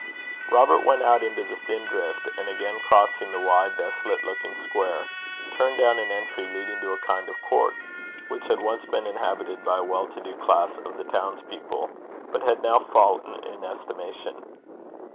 Robert went out into the thin drift, and again crossing the wide desolate looking square, turned down an entry leading to a kind of court, which had once been inhabited by a well to do class of the townspeople, but had now fallen in estimation.